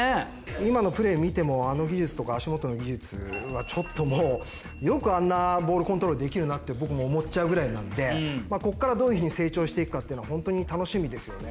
今のプレー見てもあの技術とか足元の技術はちょっともうよくあんなボールコントロールできるなって僕も思っちゃうぐらいなんでここからどういうふうに成長していくかっていうのはホントに楽しみですよね。